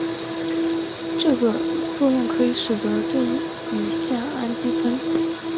这个作用可以使得对乙酰氨基酚。